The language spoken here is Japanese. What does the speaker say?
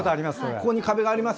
ここに壁があります